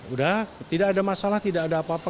udah tidak ada masalah tidak ada apa apa